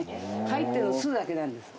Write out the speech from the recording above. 入ってるの酢だけなんです。